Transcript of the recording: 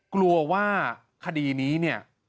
กลัวว่าคดีนี้เนี่ย